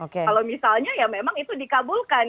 kalau misalnya ya memang itu dikabulkan